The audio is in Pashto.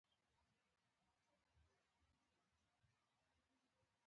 بدرنګه ذهن رڼا نه پېژني